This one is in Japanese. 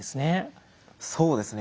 そうですね。